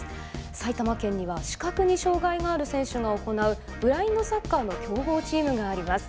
埼玉県には視覚に障害がある選手が行うブラインドサッカーの強豪チームがあります。